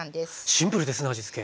シンプルですね味つけ。